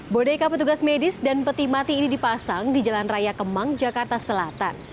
bodeka petugas medis dan peti mati ini dipasang di jalan raya kemang jakarta selatan